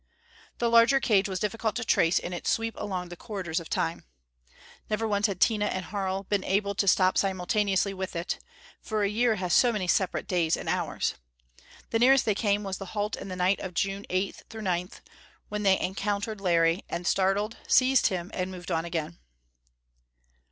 The larger cage was difficult to trace in its sweep along the corridors of Time. Never once had Tina and Harl been able to stop simultaneously with it, for a year has so many separate days and hours. The nearest they came was the halt in the night of June 8 9, when they encountered Larry, and, startled, seized him and moved on again.